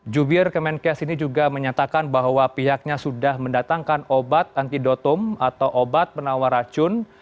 jubir kemenkes ini juga menyatakan bahwa pihaknya sudah mendatangkan obat antidotum atau obat penawar racun